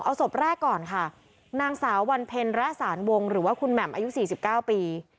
เอาศพแรกก่อนค่ะนางสาววันเพ็ญระสารวงหรือว่าคุณแหม่มอายุ๔๙ปี